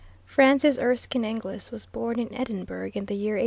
Frances Erskine Inglis was born in Edinburgh in the year 1804.